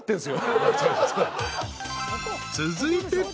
［続いて。